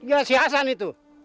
tinggal si hasan itu